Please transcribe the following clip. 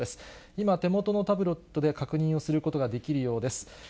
今、手元のタブレットで確認をすることができるようです。